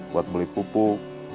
buat beli pupuk